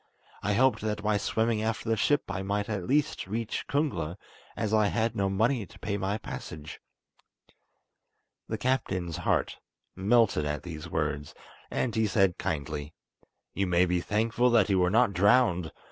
I hoped that by swimming after the ship I might at last reach Kungla, as I had no money to pay my passage." The captain's heart melted at these words, and he said kindly: "You may be thankful that you were not drowned.